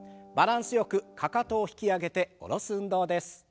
バランスよくかかとを引き上げて下ろす運動です。